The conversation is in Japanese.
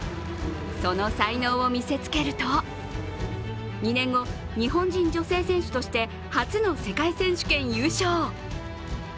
その才能を見せつけると２年後、日本人女性選手として、初の世界選手権優勝。